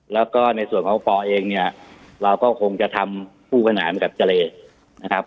แล้วก็ในส่วนของปอเองเนี่ยเราก็คงจะทำคู่ขนานกับเจรนะครับ